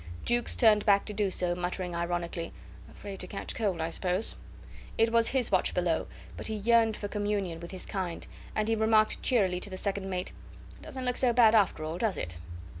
Jukes turned back to do so, muttering ironically: "Afraid to catch cold, I suppose." It was his watch below, but he yearned for communion with his kind; and he remarked cheerily to the second mate: "Doesn't look so bad, after all does it?"